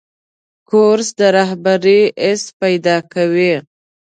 کورس د رهبرۍ حس پیدا کوي.